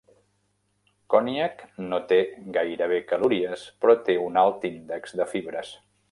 Konjac no té gairebé calories però té un alt índex de fibres.